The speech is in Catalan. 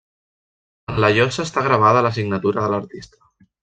En la llosa està gravada la signatura de l'artista.